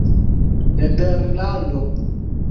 nederlandano